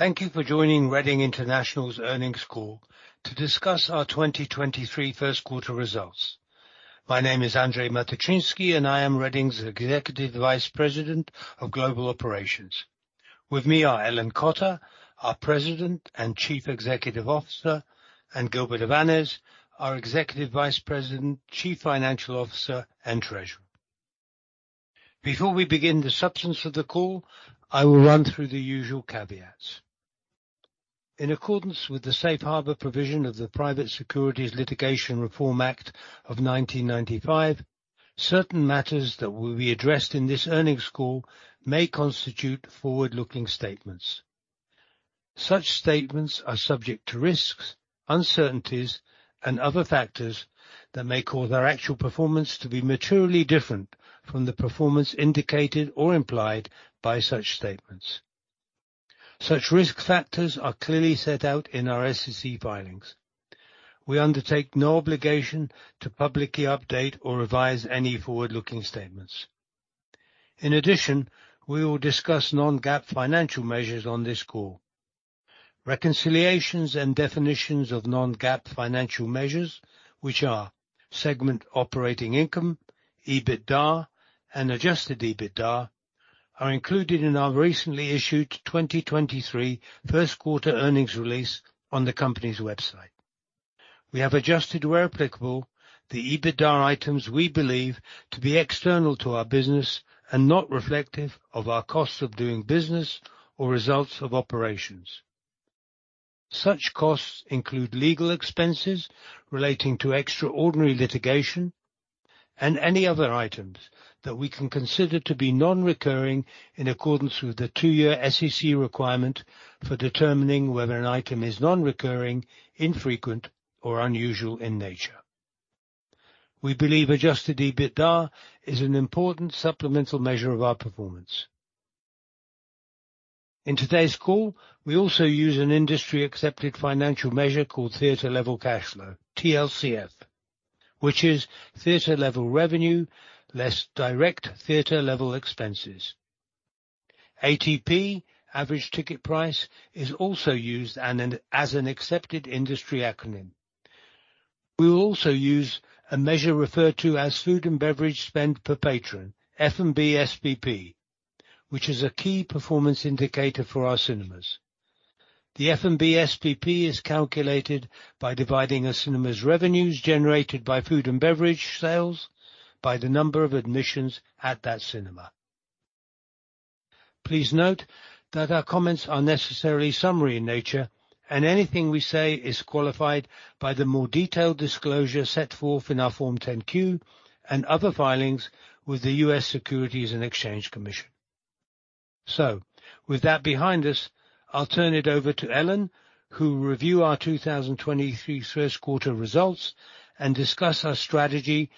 Thank you for joining Reading International's earnings call to discuss our 2023 first quarter results. My name is Andrzej Matyczynski, and I am Reading's Executive Vice President of Global Operations. With me are Ellen Cotter, our President and Chief Executive Officer, and Gilbert Avanes, our Executive Vice President, Chief Financial Officer, and Treasurer. Before we begin the substance of the call, I will run through the usual caveats. In accordance with the Safe Harbour Provision of the Private Securities Litigation Reform Act of 1995, certain matters that will be addressed in this earnings call may constitute forward-looking statements. Such statements are subject to risks, uncertainties, and other factors that may cause our actual performance to be materially different from the performance indicated or implied by such statements. Such risk factors are clearly set out in our SEC filings. We undertake no obligation to publicly update or revise any forward-looking statements. In addition, we will discuss non-GAAP financial measures on this call. Reconciliations and definitions of non-GAAP financial measures, which are Segment Operating Income, EBITDA, and Adjusted EBITDA, are included in our recently issued 2023 first quarter earnings release on the company's website. We have adjusted where applicable the EBITDA items we believe to be external to our business and not reflective of our costs of doing business or results of operations. Such costs include legal expenses relating to extraordinary litigation, and any other items that we can consider to be non-recurring in accordance with the two-year SEC requirement for determining whether an item is non-recurring, infrequent, or unusual in nature. We believe Adjusted EBITDA is an important supplemental measure of our performance. In today's call, we also use an industry-accepted financial measure called theater level cash flow (TLCF), which is Theatre Level Revenue less Direct Theatre Level Expenses. ATP (Average Ticket Price) is also used as an accepted industry acronym. We will also use a measure referred to as Food and Beverage Spend Per Patron (F&B SPP), which is a key performance indicator for our cinemas. The F&B SPP is calculated by dividing a cinema's revenues generated by food and beverage sales by the number of admissions at that cinema. Please note that our comments are necessarily summary in nature, and anything we say is qualified by the more detailed disclosure set forth in our Form 10-Q and other filings with the US Securities and Exchange Commission. With that behind us, I'll turn it over to Ellen, who will review our 2023 first quarter results and discuss our strategy,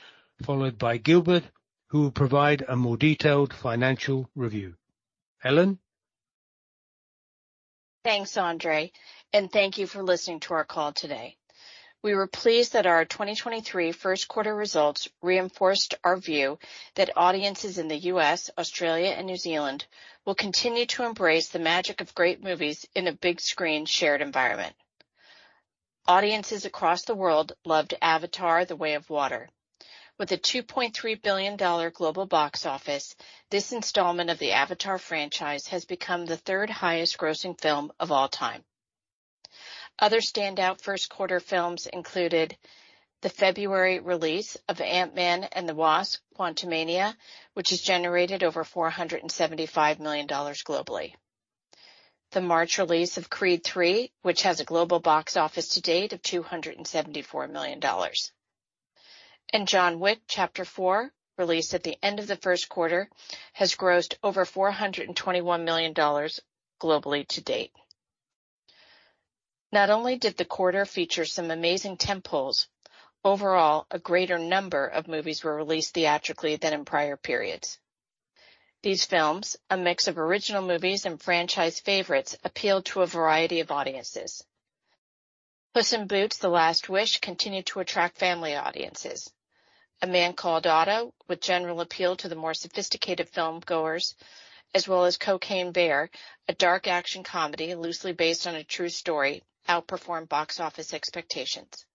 followed by Gilbert, who will provide a more detailed financial review. Ellen? Thanks, Andrzej, and thank you for listening to our call today. We were pleased that our 2023 1st quarter results reinforced our view that audiences in the U.S., Australia, and New Zealand will continue to embrace the magic of great movies in a big screen shared environment. Audiences across the world loved Avatar: The Way of Water. With a $2.3 billion global box office, this installment of the Avatar franchise has become the 3rd highest-grossing film of all time. Other standout 1st quarter films included the February release of Ant-Man and the Wasp: Quantumania, which has generated over $475 million globally; the March release of Creed III, which has a global box office to date of $274 million; and John Wick: Chapter 4, released at the end of the 1st quarter, has grossed over $421 million globally to date. Not only did the quarter feature some amazing tentpoles, overall a greater number of movies were released theatrically than in prior periods. These films, a mix of original movies and franchise favorites, appealed to a variety of audiences. Puss in Boots: The Last Wish continued to attract family audiences. A Man Called Otto, with general appeal to the more sophisticated filmgoers, as well as Cocaine Bear, a dark action comedy loosely based on a true story, outperformed box office expectations.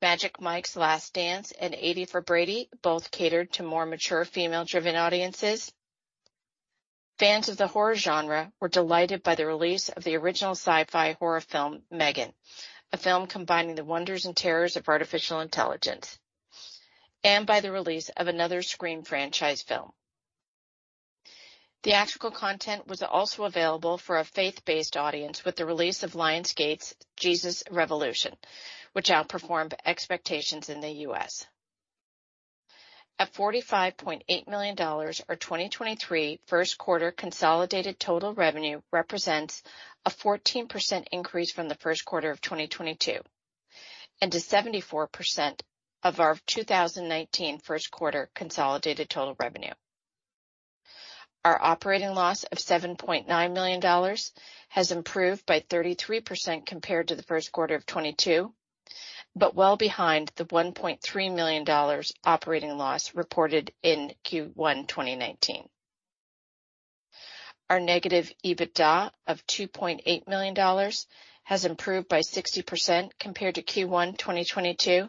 Magic Mike's Last Dance and 80 for Brady both catered to more mature female-driven audiences. Fans of the horror genre were delighted by the release of the original sci-fi horror film M3GAN, a film combining the wonders and terrors of artificial intelligence, and by the release of another Scream franchise film. The actual content was also available for a faith-based audience with the release of Lionsgate's Jesus Revolution, which outperformed expectations in the U.S. At $45.8 million, our 2023 first quarter consolidated total revenue represents a 14% increase from the first quarter of 2022 and 74% of our 2019 first quarter consolidated total revenue. Our operating loss of $7.9 million has improved by 33% compared to the first quarter of 2022, but well behind the $1.3 million operating loss reported in Q1 2019. Our negative EBITDA of $2.8 million has improved by 60% compared to Q1 2022,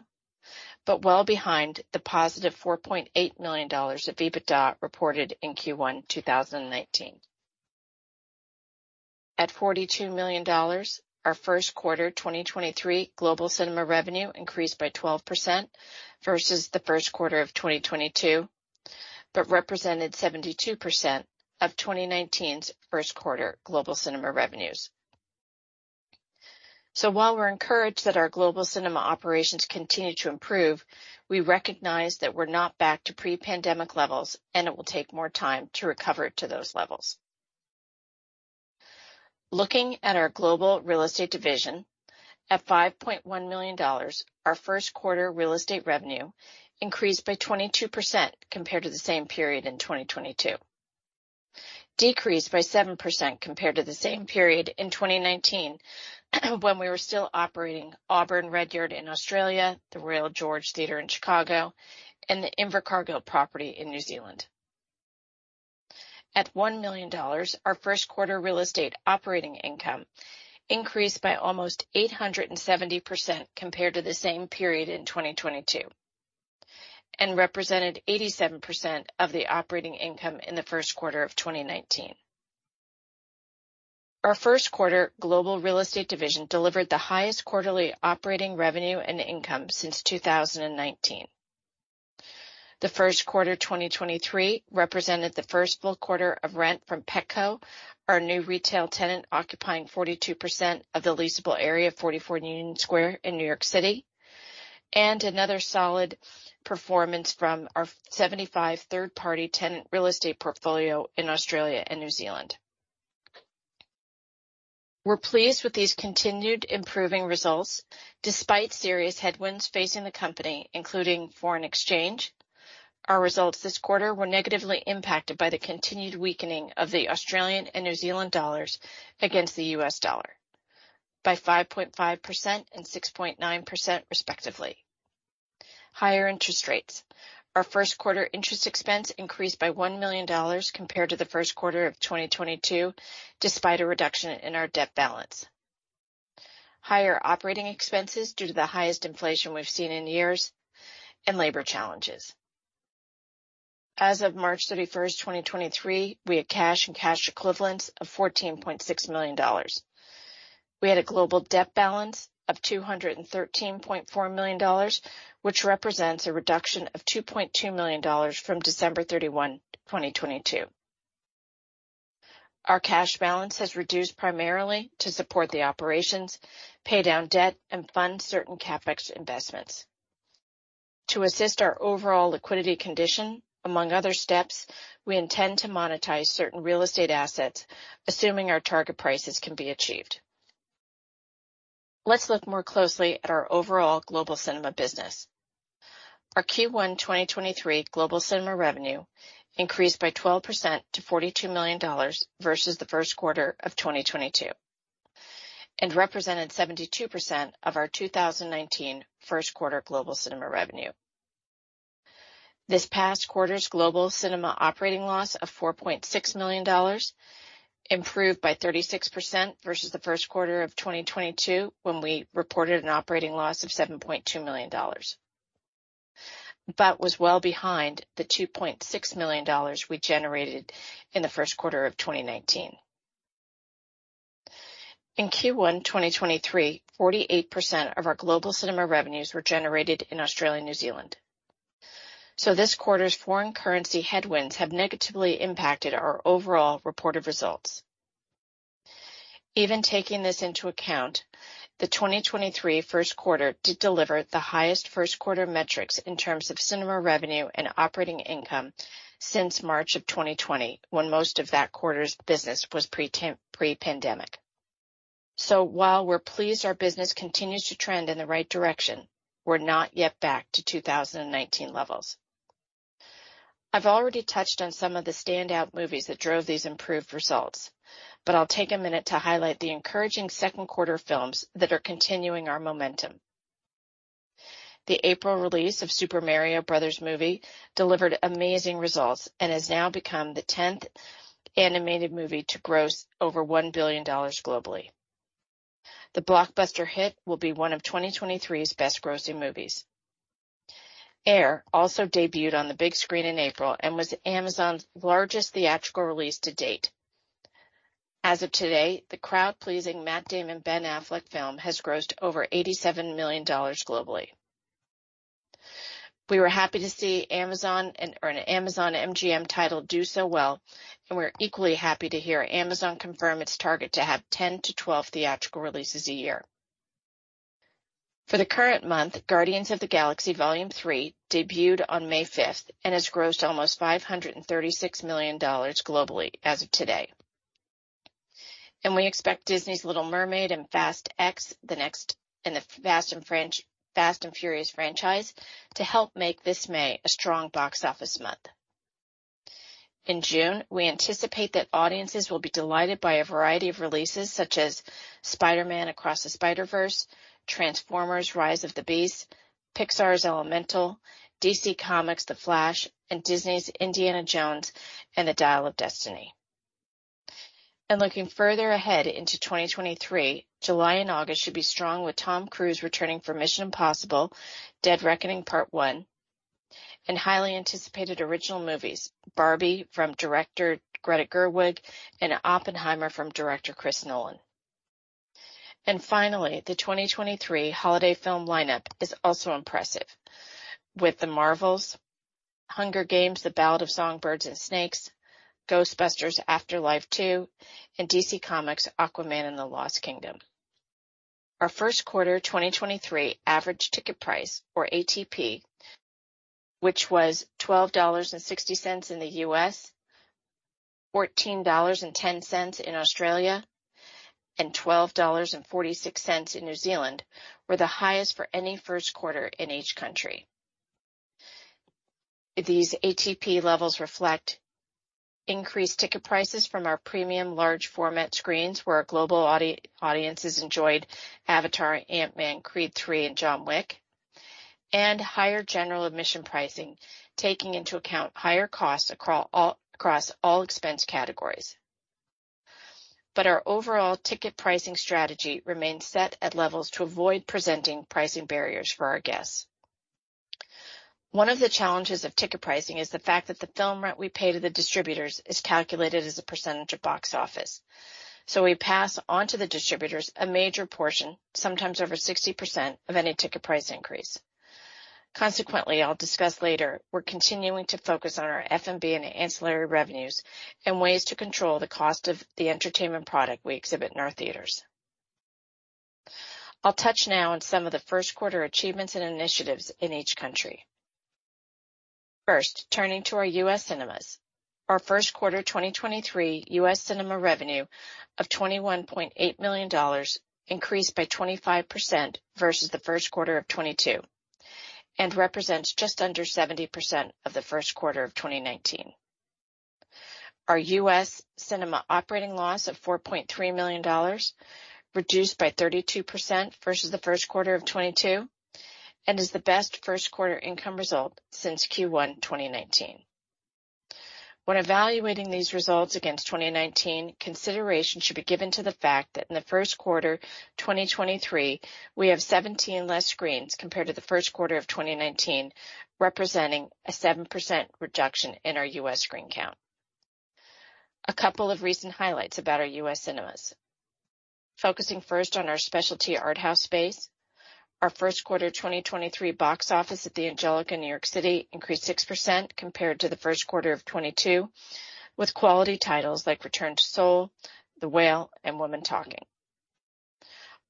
but well behind the positive $4.8 million of EBITDA reported in Q1 2019. At $42 million, our first quarter 2023 global cinema revenue increased by 12% versus the first quarter of 2022, but represented 72% of 2019's first quarter global cinema revenues. While we're encouraged that our global cinema operations continue to improve, we recognize that we're not back to pre-pandemic levels, and it will take more time to recover to those levels. Looking at our global real estate division, at $5.1 million, our first quarter real estate revenue increased by 22% compared to the same period in 2022, decreased by 7% compared to the same period in 2019 when we were still operating Auburn Redyard in Australia, the Royal George Theatre in Chicago, and the Invercargill property in New Zealand. At $1 million, our first quarter real estate operating income increased by almost 870% compared to the same period in 2022, and represented 87% of the operating income in the first quarter of 2019. Our first quarter global real estate division delivered the highest quarterly operating revenue and income since 2019. The first quarter 2023 represented the first full quarter of rent from Petco, our new retail tenant occupying 42% of the leasable area of 44 Union Square in New York City, and another solid performance from our 75 third-party tenant real estate portfolio in Australia and New Zealand. We're pleased with these continued improving results despite serious headwinds facing the company, including foreign exchange. Our results this quarter were negatively impacted by the continued weakening of the Australian and New Zealand dollars against the US dollar, by 5.5% and 6.9% respectively. Higher interest rates: our first quarter interest expense increased by $1 million compared to the first quarter of 2022 despite a reduction in our debt balance. Higher operating expenses due to the highest inflation we've seen in years and labor challenges. As of March 31, 2023, we had cash and cash equivalents of $14.6 million. We had a global debt balance of $213.4 million, which represents a reduction of $2.2 million from December 31, 2022. Our cash balance has reduced primarily to support the operations, pay down debt, and fund certain CapEx investments. To assist our overall liquidity condition, among other steps, we intend to monetize certain real estate assets, assuming our target prices can be achieved. Let's look more closely at our overall global cinema business. Our Q1 2023 global cinema revenue increased by 12% to $42 million versus the first quarter of 2022, and represented 72% of our 2019 first quarter global cinema revenue. This past quarter's global cinema operating loss of $4.6 million improved by 36% versus the first quarter of 2022 when we reported an operating loss of $7.2 million, but was well behind the $2.6 million we generated in the first quarter of 2019. In Q1 2023, 48% of our global cinema revenues were generated in Australia and New Zealand. This quarter's foreign currency headwinds have negatively impacted our overall reported results. Even taking this into account, the 2023 first quarter did deliver the highest first quarter metrics in terms of cinema revenue and operating income since March of 2020, when most of that quarter's business was pre-pandemic. While we're pleased our business continues to trend in the right direction, we're not yet back to 2019 levels. I've already touched on some of the standout movies that drove these improved results, but I'll take a minute to highlight the encouraging second quarter films that are continuing our momentum. The April release of The Super Mario Bros. Movie delivered amazing results and has now become the 10th animated movie to gross over $1 billion globally. The blockbuster hit will be one of 2023's best-grossing movies. Air also debuted on the big screen in April and was Amazon's largest theatrical release to date. As of today, the crowd-pleasing Matt Damon Ben Affleck film has grossed over $87 million globally. We were happy to see Amazon and an Amazon MGM title do so well, and we're equally happy to hear Amazon confirm its target to have 10 to 12 theatrical releases a year. For the current month, Guardians of the Galaxy Vol. 3 debuted on May 5th and has grossed almost $536 million globally as of today. We expect Disney's The Little Mermaid and Fast X, the next in the Fast & Furious franchise, to help make this May a strong box office month. In June, we anticipate that audiences will be delighted by a variety of releases such as Spider-Man: Across the Spider-Verse, Transformers: Rise of the Beasts, Pixar's Elemental, DC Comics: The Flash, and Disney's Indiana Jones and the Dial of Destiny. Looking further ahead into 2023, July and August should be strong with Tom Cruise returning for Mission: Impossible – Dead Reckoning Part One and highly anticipated original movies Barbie from director Greta Gerwig and Oppenheimer from director Chris Nolan. Finally, the 2023 holiday film lineup is also impressive, with The Marvels, The Hunger Games: The Ballad of Songbirds & Snakes, Ghostbusters: Afterlife 2, and DC Comics: Aquaman and the Lost Kingdom. Our first quarter 2023 average ticket price, or ATP, which was $12.60 in the U.S., $14.10 in Australia, and $12.46 in New Zealand, were the highest for any first quarter in each country. These ATP levels reflect increased ticket prices from our premium large format screens, where our global audiences enjoyed Avatar, Ant-Man, Creed III, and John Wick, and higher general admission pricing, taking into account higher costs across all expense categories. Our overall ticket pricing strategy remains set at levels to avoid presenting pricing barriers for our guests. One of the challenges of ticket pricing is the fact that the film rent we pay to the distributors is calculated as a percentage of box office. We pass onto the distributors a major portion, sometimes over 60%, of any ticket price increase. I'll discuss later, we're continuing to focus on our F&B and ancillary revenues and ways to control the cost of the entertainment product we exhibit in our theaters. I'll touch now on some of the first quarter achievements and initiatives in each country. First, turning to our US cinemas. Our first quarter 2023 US cinema revenue of $21.8 million increased by 25% versus the first quarter of 2022 and represents just under 70% of the first quarter of 2019. Our US cinema operating loss of $4.3 million reduced by 32% versus the first quarter of 2022 and is the best first quarter income result since Q1 2019. When evaluating these results against 2019, consideration should be given to the fact that in the first quarter 2023, we have 17 less screens compared to the first quarter of 2019, representing a 7% reduction in our US screen count. A couple of recent highlights about our US cinemas. Focusing first on our specialty arthouse space, our first quarter 2023 box office at the Angelika Film Center & Cafe increased 6% compared to the first quarter of 2022, with quality titles like Return to Seoul, The Whale, and Women Talking.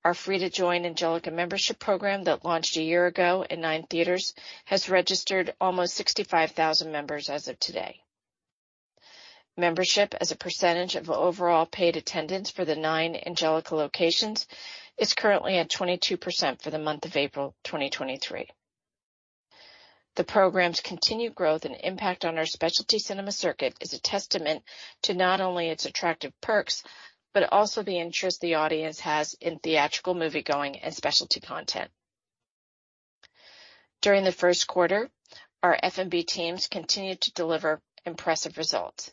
Our free-to-join Angelika membership program that launched a year ago in nine theaters has registered almost 65,000 members as of today. Membership as a percentage of overall paid attendance for the nine Angelika locations is currently at 22% for the month of April 2023. The program's continued growth and impact on our specialty cinema circuit is a testament to not only its attractive perks, but also the interest the audience has in theatrical moviegoing and specialty content. During the first quarter, our F&B teams continued to deliver impressive results.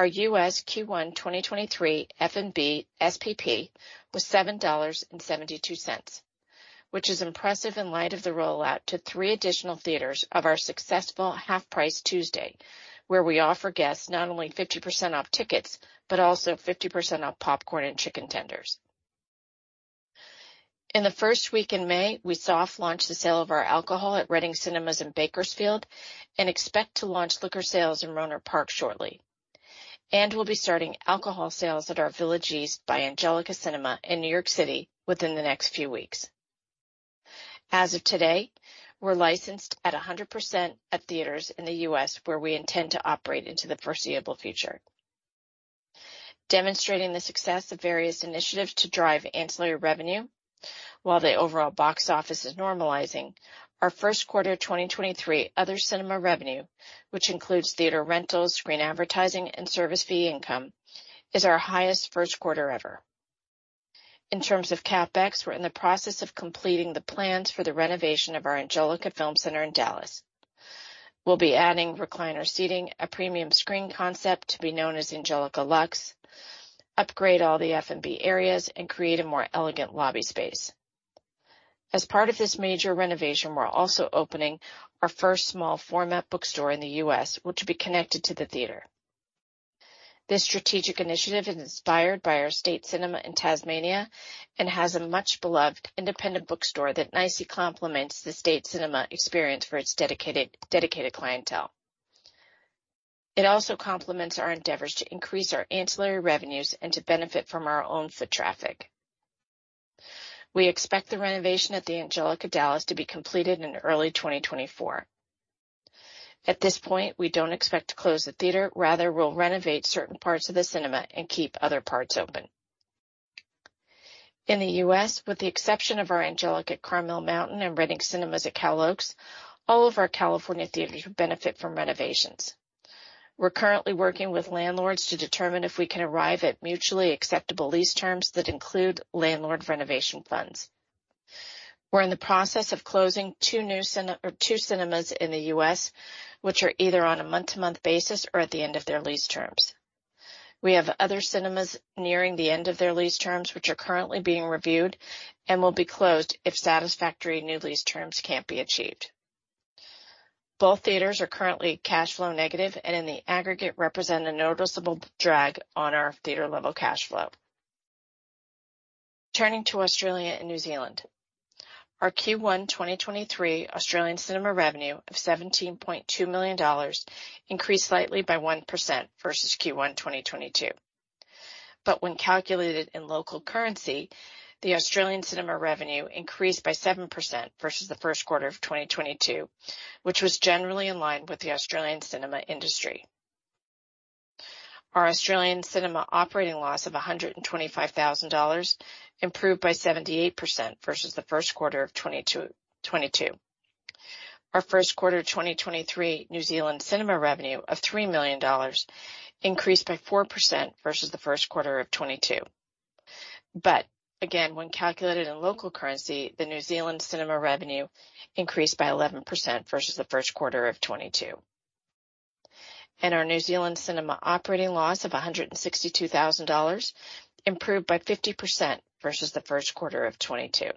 Our U.S. Q1 2023 F&B SPP was $7.72, which is impressive in light of the rollout to three additional theaters of our successful half-price Tuesday, where we offer guests not only 50% off tickets, but also 50% off popcorn and chicken tenders. In the first week in May, we soft-launch the sale of our alcohol at Reading Cinemas in Bakersfield and expect to launch liquor sales in Rohnert Park shortly. We'll be starting alcohol sales at our Village East by Angelika Cinema in New York City within the next few weeks. As of today, we're licensed at 100% at theaters in the U.S. where we intend to operate into the foreseeable future. Demonstrating the success of various initiatives to drive ancillary revenue while the overall box office is normalizing, our first quarter 2023 other cinema revenue, which includes theater rentals, screen advertising, and service fee income, is our highest first quarter ever. In terms of CapEx, we're in the process of completing the plans for the renovation of our Angelika Film Center in Dallas. We'll be adding recliner seating, a premium screen concept to be known as Angelika Luxe, upgrade all the F&B areas, and create a more elegant lobby space. As part of this major renovation, we're also opening our first small format bookstore in the U.S., which will be connected to the theater. This strategic initiative is inspired by our State Cinema in Tasmania and has a much-beloved independent bookstore that nicely complements the State Cinema experience for its dedicated clientele. It also complements our endeavors to increase our ancillary revenues and to benefit from our own foot traffic. We expect the renovation at the Angelika Dallas to be completed in early 2024. At this point, we don't expect to close the theater. Rather, we'll renovate certain parts of the cinema and keep other parts open. In the U.S., with the exception of our Angelika Carmel Mountain and Reading Cinemas at Cal Oaks, all of our California theaters will benefit from renovations. We're currently working with landlords to determine if we can arrive at mutually acceptable lease terms that include landlord renovation funds. We're in the process of closing two new cinemas in the U.S., which are either on a month-to-month basis or at the end of their lease terms. We have other cinemas nearing the end of their lease terms, which are currently being reviewed and will be closed if satisfactory new lease terms can't be achieved. Both theaters are currently cash flow negative and in the aggregate represent a noticeable drag on our theater-level cash flow. Turning to Australia and New Zealand. Our Q1 2023 Australian cinema revenue of $17.2 million increased slightly by 1% versus Q1 2022. When calculated in local currency, the Australian cinema revenue increased by 7% versus the first quarter of 2022, which was generally in line with the Australian cinema industry. Our Australian cinema operating loss of $125,000 improved by 78% versus the first quarter of 2022. Our first quarter 2023 New Zealand cinema revenue of $3 million increased by 4% versus the first quarter of 2022. When calculated in local currency, the New Zealand cinema revenue increased by 11% versus the first quarter of 2022. Our New Zealand cinema operating loss of $162,000 improved by 50% versus the first quarter of 2022.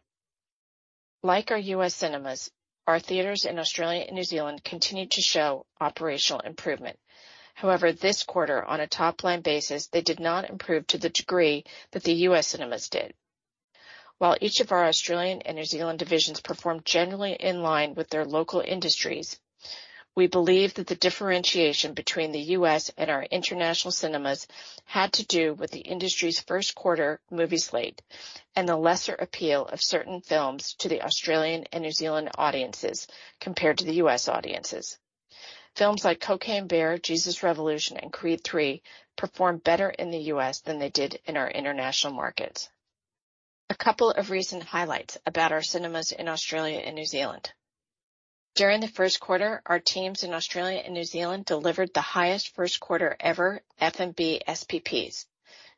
Like our US cinemas, our theaters in Australia and New Zealand continue to show operational improvement. However, this quarter, on a top-line basis, they did not improve to the degree that the US cinemas did. While each of our Australian and New Zealand divisions performed generally in line with their local industries, we believe that the differentiation between the US and our international cinemas had to do with the industry's first quarter movie slate and the lesser appeal of certain films to the Australian and New Zealand audiences compared to the US audiences. Films like Cocaine Bear, Jesus Revolution, and Creed III performed better in the U.S. than they did in our international markets. A couple of recent highlights about our cinemas in Australia and New Zealand. During the first quarter, our teams in Australia and New Zealand delivered the highest first quarter ever F&B SPPs.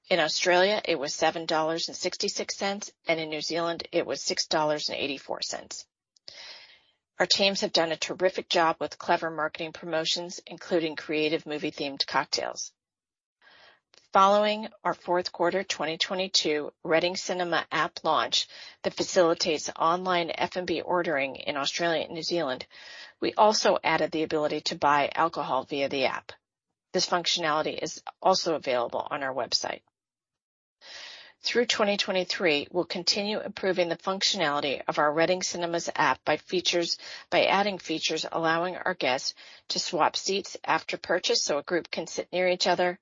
In Australia, it was 7.66 dollars, and in New Zealand, it was 6.84 dollars. Our teams have done a terrific job with clever marketing promotions, including creative movie-themed cocktails. Following our fourth quarter 2022 Reading Cinemas app launch, that facilitates online F&B ordering in Australia and New Zealand, we also added the ability to buy alcohol via the app. This functionality is also available on our website. Through 2023, we'll continue improving the functionality of our Reading Cinemas app by adding features allowing our guests to swap seats after purchase so a group can sit near each other,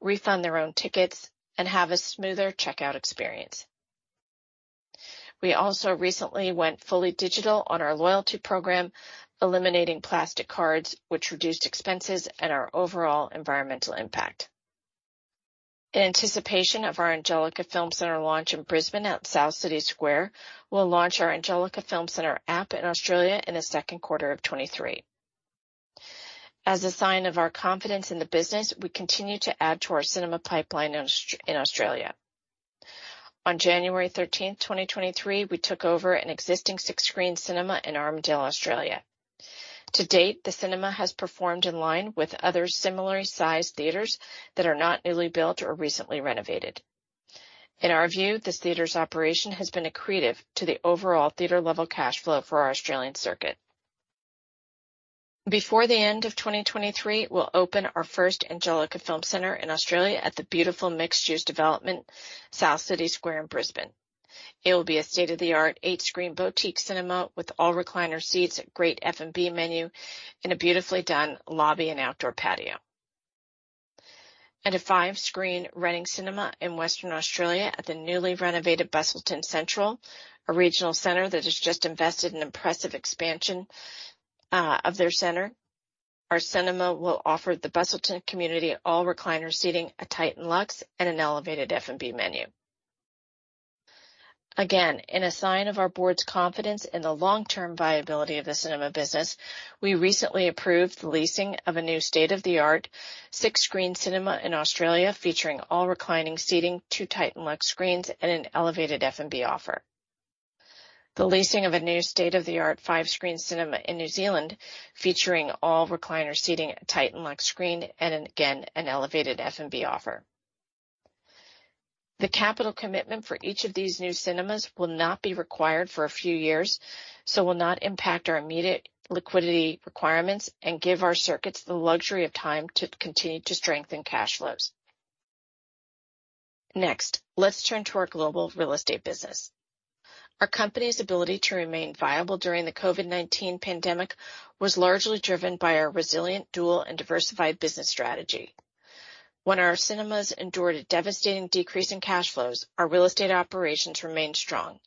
refund their own tickets, and have a smoother checkout experience. We also recently went fully digital on our loyalty program, eliminating plastic cards, which reduced expenses and our overall environmental impact. In anticipation of our Angelika Film Center launch in Brisbane at South City Square, we'll launch our Angelika Film Center app in Australia in the second quarter of 2023. As a sign of our confidence in the business, we continue to add to our cinema pipeline in Australia. On January 13th, 2023, we took over an existing six-screen cinema in Armadale, Australia. To date, the cinema has performed in line with other similar-sized theaters that are not newly built or recently renovated. In our view, this theater's operation has been accretive to the overall theater-level cash flow for our Australian circuit. Before the end of 2023, we'll open our first Angelika Film Center in Australia at the beautiful mixed-use development South City Square in Brisbane. It will be a state-of-the-art 8-screen boutique cinema with all recliner seats, a great F&B menu, and a beautifully done lobby and outdoor patio. A 5-screen Reading Cinema in Western Australia at the newly renovated Busselton Central, a regional center that has just invested in impressive expansion of their center. Our cinema will offer the Busselton community all recliner seating, a TITAN LUXE, and an elevated F&B menu. In a sign of our board's confidence in the long-term viability of the cinema business, we recently approved the leasing of a new state-of-the-art 6-screen cinema in Australia featuring all reclining seating, two TITAN LUXE screens, and an elevated F&B offer. The leasing of a new state-of-the-art 5-screen cinema in New Zealand featuring all recliner seating, a TITAN LUXE screen, and again, an elevated F&B offer. The capital commitment for each of these new cinemas will not be required for a few years, will not impact our immediate liquidity requirements and give our circuits the luxury of time to continue to strengthen cash flows. Let's turn to our global real estate business. Our company's ability to remain viable during the COVID-19 pandemic was largely driven by our resilient, dual, and diversified business strategy. Our cinemas endured a devastating decrease in cash flows, our real estate operations remained strong.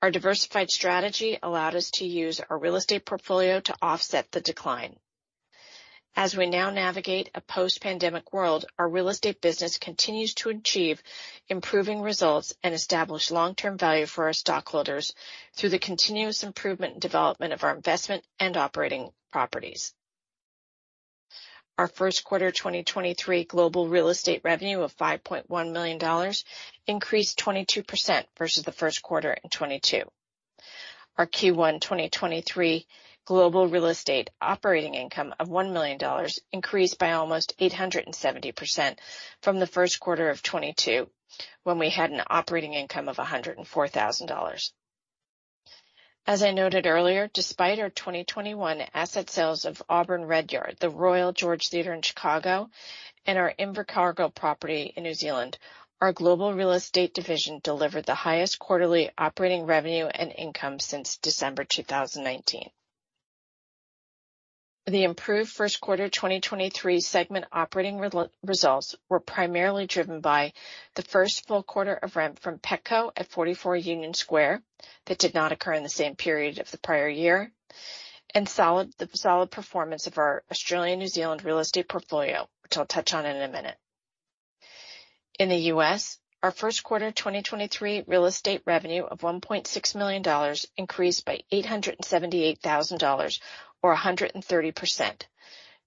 Our diversified strategy allowed us to use our real estate portfolio to offset the decline. We now navigate a post-pandemic world, our real estate business continues to achieve improving results and establish long-term value for our stockholders through the continuous improvement and development of our investment and operating properties. Our first quarter 2023 global real estate revenue of $5.1 million increased 22% versus the first quarter of 2022. Our Q1 2023 global real estate operating income of $1 million increased by almost 870% from the first quarter of 2022 when we had an operating income of $104,000. As I noted earlier, despite our 2021 asset sales of Auburn Redyard, the Royal George Theatre in Chicago, and our Invercargill property in New Zealand, our global real estate division delivered the highest quarterly operating revenue and income since December 2019. The improved first quarter 2023 segment operating results were primarily driven by the first full quarter of rent from Petco at 44 Union Square that did not occur in the same period of the prior year, and the solid performance of our Australia-New Zealand real estate portfolio, which I'll touch on in a minute. In the U.S., our first quarter 2023 real estate revenue of $1.6 million increased by $878,000, or 130%,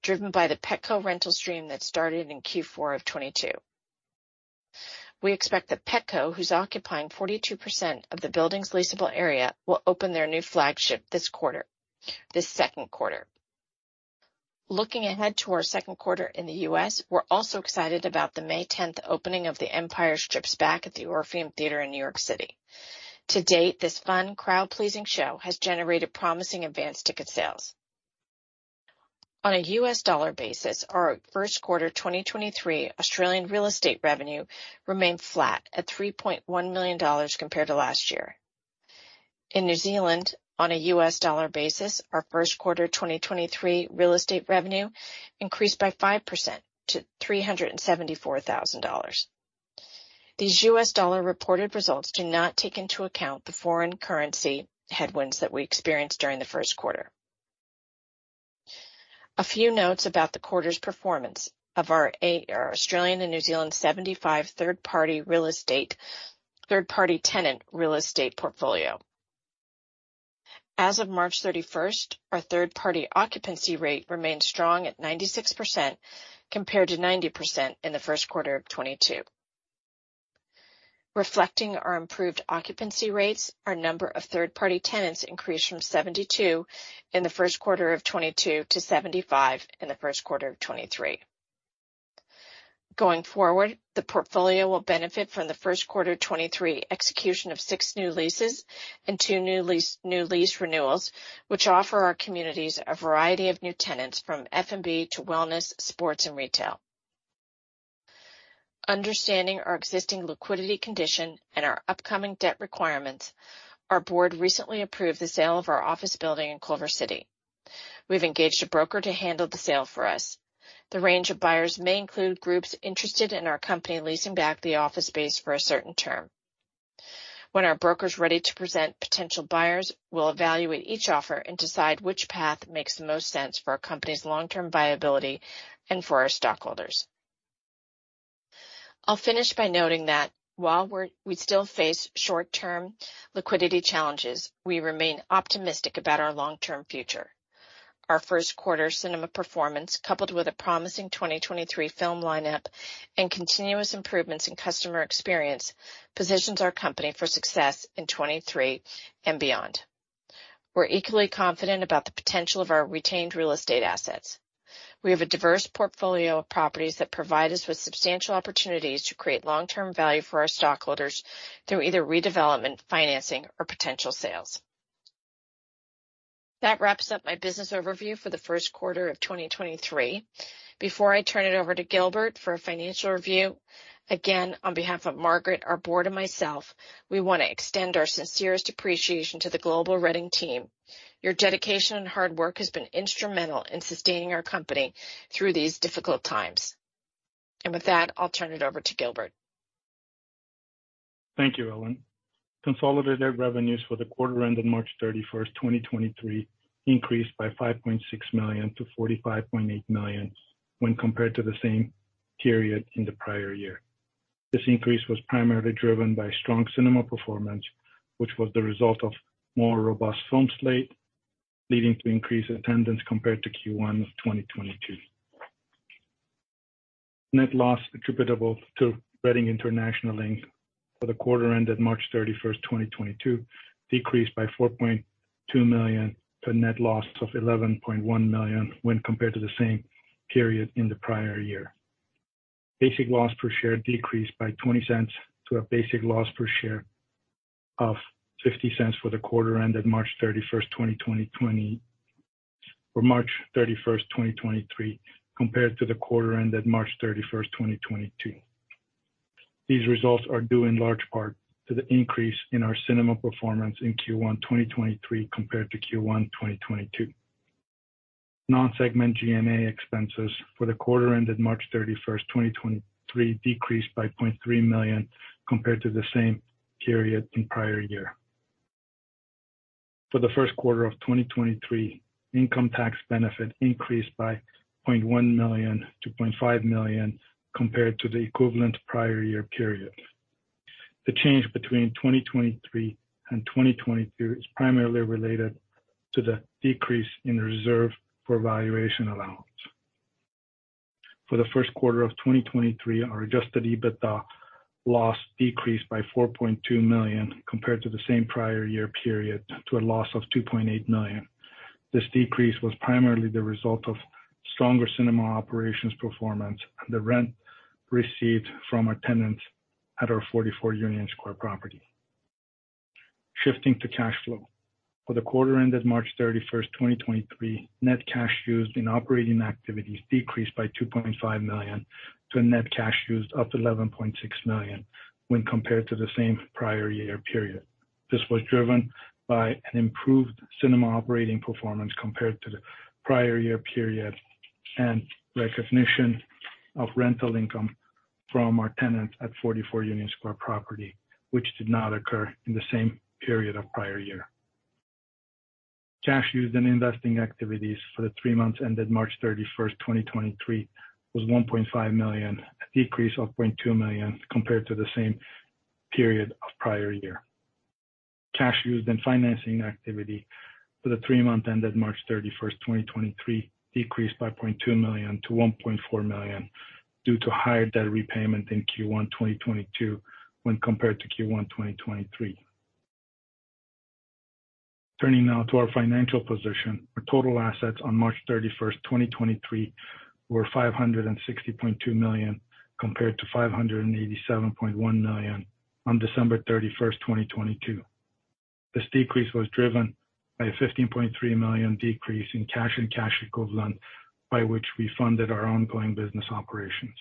driven by the Petco rental stream that started in Q4 of 2022. We expect that Petco, who's occupying 42% of the building's leasable area, will open their new flagship this quarter, this second quarter. Looking ahead to our second quarter in the US, we're also excited about the May 10th opening of The Empire Strips Back at the Orpheum Theatre in New York City. To date, this fun, crowd-pleasing show has generated promising advanced ticket sales. On a US dollar basis, our first quarter 2023 Australian real estate revenue remained flat at $3.1 million compared to last year. In New Zealand, on a US dollar basis, our first quarter 2023 real estate revenue increased by 5% to $374,000. These US dollar reported results do not take into account the foreign currency headwinds that we experienced during the first quarter. A few notes about the quarter's performance of our Australian and New Zealand 75 third-party tenant real estate portfolio. As of March 31st, our third-party occupancy rate remained strong at 96% compared to 90% in the first quarter of 2022. Reflecting our improved occupancy rates, our number of third-party tenants increased from 72 in the first quarter of 2022 to 75 in the first quarter of 2023. Going forward, the portfolio will benefit from the first quarter 2023 execution of 6 new leases and 2 new lease renewals, which offer our communities a variety of new tenants from F&B to wellness, sports, and retail. Understanding our existing liquidity condition and our upcoming debt requirements, our board recently approved the sale of our office building in Culver City. We've engaged a broker to handle the sale for us. The range of buyers may include groups interested in our company leasing back the office space for a certain term. When our broker's ready to present potential buyers, we'll evaluate each offer and decide which path makes the most sense for our company's long-term viability and for our stockholders. I'll finish by noting that while we still face short-term liquidity challenges, we remain optimistic about our long-term future. Our first quarter cinema performance, coupled with a promising 2023 film lineup and continuous improvements in customer experience, positions our company for success in 2023 and beyond. We're equally confident about the potential of our retained real estate assets. We have a diverse portfolio of properties that provide us with substantial opportunities to create long-term value for our stockholders through either redevelopment, financing, or potential sales. That wraps up my business overview for the first quarter of 2023. Before I turn it over to Gilbert for a financial review, again, on behalf of Margaret, our board, and myself, we want to extend our sincerest appreciation to the global Reading team. Your dedication and hard work has been instrumental in sustaining our company through these difficult times. With that, I'll turn it over to Gilbert. Thank you, Ellen. Consolidated revenues for the quarter ended March 31st, 2023, increased by $5.6 million to $45.8 million when compared to the same period in the prior year. This increase was primarily driven by strong cinema performance, which was the result of more robust film slate, leading to increased attendance compared to Q1 of 2022. Net loss attributable to Reading International Inc. for the quarter ended March 31st, 2022, decreased by $4.2 million to a net loss of $11.1 million when compared to the same period in the prior year. Basic loss per share decreased by $0.20 to a basic loss per share of $0.50 for the quarter ended March 31st, 2023, compared to the quarter ended March 31st, 2022. These results are due in large part to the increase in our cinema performance in Q1 2023 compared to Q1 2022. Non-segment G&A expenses for the quarter ended March 31st, 2023, decreased by $0.3 million compared to the same period in the prior year. For the first quarter of 2023, income tax benefit increased by $0.1 million to $0.5 million compared to the equivalent prior year period. The change between 2023 and 2022 is primarily related to the decrease in the reserve for evaluation allowance. For the first quarter of 2023, our Adjusted EBITDA loss decreased by $4.2 million compared to the same prior year period to a loss of $2.8 million. This decrease was primarily the result of stronger cinema operations performance and the rent received from our tenants at our 44 Union Square property. Shifting to cash flow. For the quarter ended March 31st, 2023, net cash used in operating activities decreased by $2.5 million to a net cash used of $11.6 million when compared to the same prior year period. This was driven by an improved cinema operating performance compared to the prior year period and recognition of rental income from our tenants at 44 Union Square property, which did not occur in the same period of the prior year. Cash used in investing activities for the three months ended March 31st, 2023, was $1.5 million, a decrease of $0.2 million compared to the same period of the prior year. Cash used in financing activity for the three months ended March 31st, 2023, decreased by $0.2 million to $1.4 million due to higher debt repayment in Q1 2022 when compared to Q1 2023. Turning now to our financial position, our total assets on March 31st, 2023, were $560.2 million compared to $587.1 million on December 31st, 2022. This decrease was driven by a $15.3 million decrease in cash and cash equivalent by which we funded our ongoing business operations.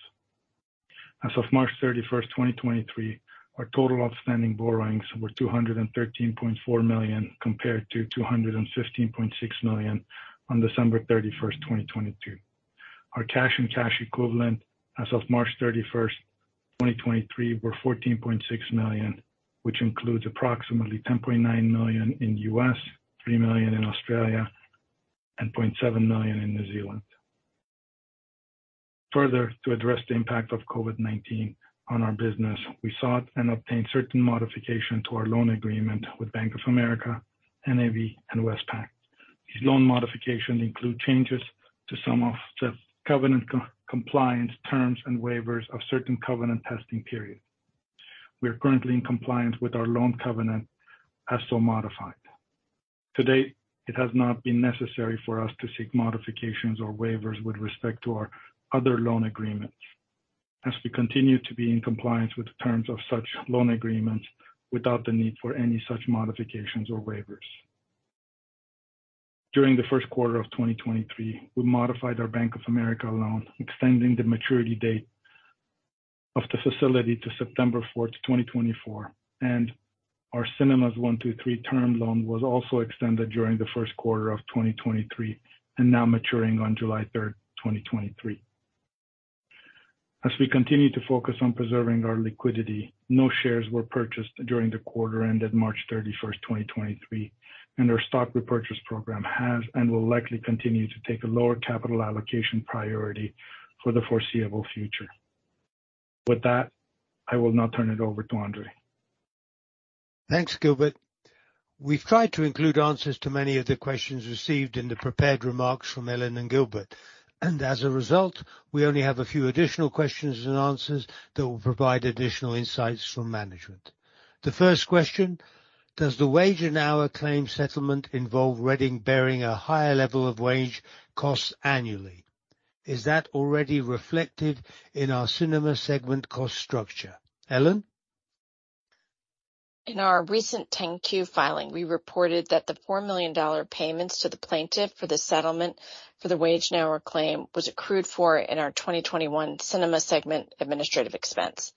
As of March 31st, 2023, our total outstanding borrowings were $213.4 million compared to $215.6 million on December 31st, 2022. Our cash and cash equivalent as of March 31st, 2023, were $14.6 million, which includes approximately $10.9 million in the U.S., 3 million in Australia, and 0.7 million in New Zealand. Further, to address the impact of COVID-19 on our business, we sought and obtained certain modifications to our loan agreement with Bank of America, NAB, and Westpac. These loan modifications include changes to some of the covenant compliance terms and waivers of certain covenant testing periods. We are currently in compliance with our loan covenant as so modified. To date, it has not been necessary for us to seek modifications or waivers with respect to our other loan agreements as we continue to be in compliance with the terms of such loan agreements without the need for any such modifications or waivers. During the first quarter of 2023, we modified our Bank of America loan, extending the maturity date of the facility to September 4th, 2024, and our Cinemas 1-2-3 term loan was also extended during the first quarter of 2023 and now maturing on July 3rd, 2023. As we continue to focus on preserving our liquidity, no shares were purchased during the quarter ended March 31st, 2023, and our stock repurchase program has and will likely continue to take a lower capital allocation priority for the foreseeable future. With that, I will now turn it over to Andrzej. Thanks, Gilbert. We've tried to include answers to many of the questions received in the prepared remarks from Ellen and Gilbert, and as a result, we only have a few additional questions and answers that will provide additional insights from management. The first question: Does the wage-an-hour claim settlement involve Reading bearing a higher level of wage costs annually? Is that already reflected in our cinema segment cost structure? Ellen? In our recent 10Q filing, we reported that the $4 million payments to the plaintiff for the settlement for the wage-an-hour claim was accrued for in our 2021 cinema segment administrative expense.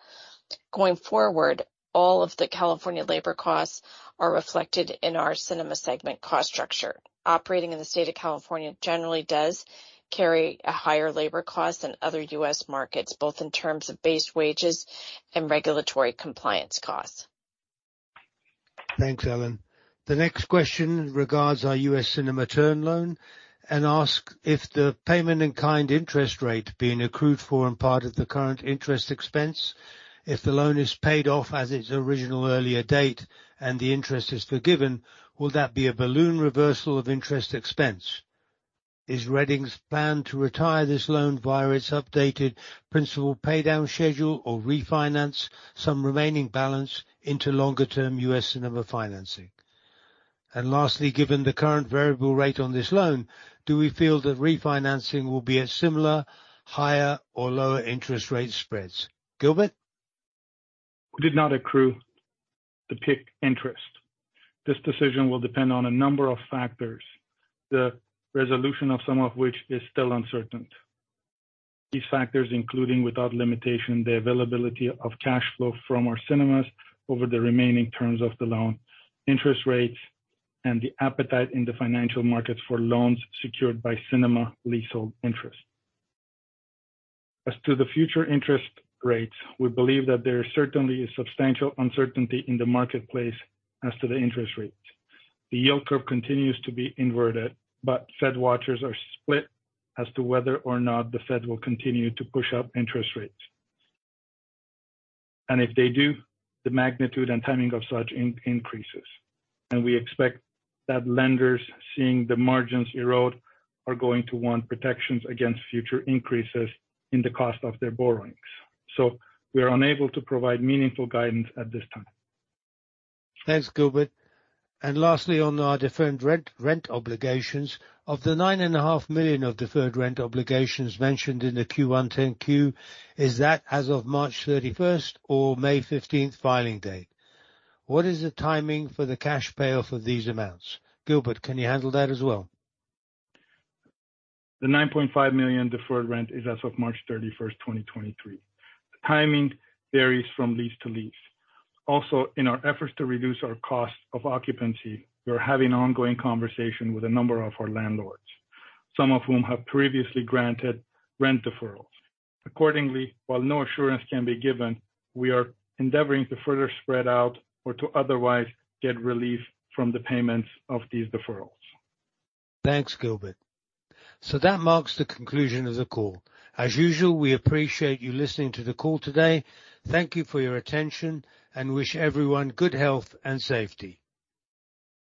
Going forward, all of the California labor costs are reflected in our cinema segment cost structure. Operating in the state of California generally does carry a higher labor cost than other U.S. markets, both in terms of base wages and regulatory compliance costs. Thanks, Ellen. The next question regards our U.S. cinema term loan and asks if the payment-in-kind interest rate being accrued for in part of the current interest expense, if the loan is paid off as its original earlier date and the interest is forgiven, will that be a balloon reversal of interest expense? Is Reading's plan to retire this loan via its updated principal paydown schedule or refinance some remaining balance into longer-term U.S. cinema financing? And lastly, given the current variable rate on this loan, do we feel that refinancing will be at similar, higher, or lower interest rate spreads? Gilbert? We did not accrue the peak interest. This decision will depend on a number of factors, the resolution of some of which is still uncertain. These factors include, without limitation, the availability of cash flow from our cinemas over the remaining terms of the loan, interest rates, and the appetite in the financial markets for loans secured by cinema leasehold interest. As to the future interest rates, we believe that there certainly is substantial uncertainty in the marketplace as to the interest rates. The yield curve continues to be inverted. Fed watchers are split as to whether or not the Fed will continue to push up interest rates. If they do, the magnitude and timing of such increases. We expect that lenders, seeing the margins erode, are going to want protections against future increases in the cost of their borrowings. We are unable to provide meaningful guidance at this time. Thanks, Gilbert. Lastly, on our deferred rent obligations, of the $9.5 million of deferred rent obligations mentioned in the Q1 10Q, is that as of March 31st or May 15th filing date? Gilbert, can you handle that as well? The $9.5 million deferred rent is as of March 31st, 2023. The timing varies from lease to lease. In our efforts to reduce our cost of occupancy, we are having ongoing conversation with a number of our landlords, some of whom have previously granted rent deferrals. While no assurance can be given, we are endeavoring to further spread out or to otherwise get relief from the payments of these deferrals. Thanks, Gilbert. That marks the conclusion of the call. As usual, we appreciate you listening to the call today. Thank you for your attention and wish everyone good health and safety.